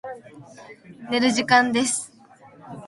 寝る時間です。